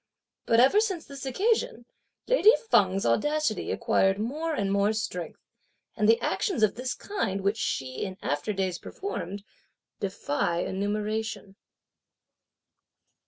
But ever since this occasion, lady Feng's audacity acquired more and more strength; and the actions of this kind, which she, in after days, performed, defy enumeration.